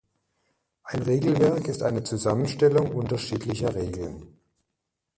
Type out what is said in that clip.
Ein Regelwerk ist eine Zusammenstellung unterschiedlicher Regeln.